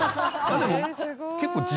でも結構。